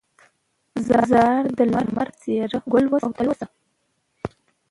ځار د لمر بڅريه، ګل اوسې او تل اوسې